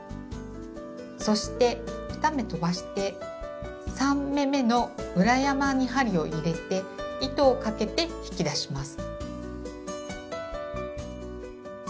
そして２目とばして３目めの裏山に針を入れて糸をかけて引き出します。